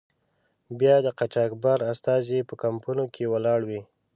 بیا د قاچاقبر استازی په کمپونو کې ولاړ وي.